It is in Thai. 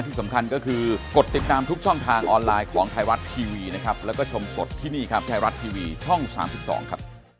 ที่สำคัญก็คือกดติดตามทุกช่องทางออนไลน์ของไทยรัฐทีวีนะครับแล้วก็ชมสดที่นี่ครับไทยรัฐทีวีช่อง๓๒ครับ